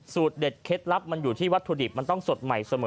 เด็ดเคล็ดลับมันอยู่ที่วัตถุดิบมันต้องสดใหม่เสมอ